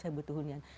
saya butuh hunian